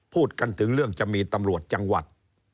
พูดกันถึงเรื่องจะมีตำรวจจังหวัด